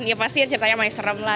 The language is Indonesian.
ya pasti ceritanya may serem lah